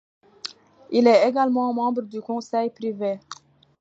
Il est également membre du Conseil privé.